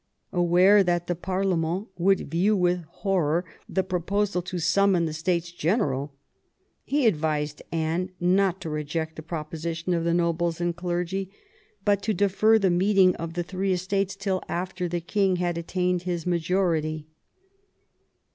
Aware that the parlement would view with horror the proposal to summon the States General, he advised Anne not to reject the proposition of the nobles and clergy, but to defer the meeting of the Three Estates till after the king had attained his majority.